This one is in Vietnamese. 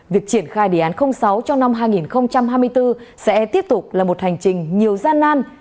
việc triển khai đề án sáu trong năm hai nghìn hai mươi bốn sẽ tiếp tục là một hành trình nhiều gian nan